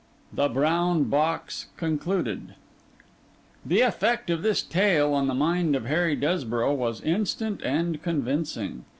THE BROWN BOX (Concluded) The effect of this tale on the mind of Harry Desborough was instant and convincing.